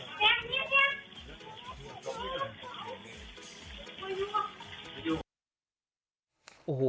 เด็กหนีให้เร็ว